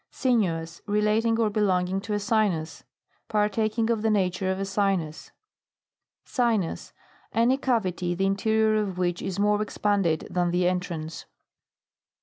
SINUOUS. Relating or belonging to a sinus. Partaking of the nature of a sinus. SINUS. Any cavity, the interior of which is more expanded than the entrance.